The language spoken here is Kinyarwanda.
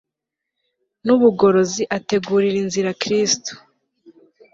nubugorozi ategurira inzira Kristo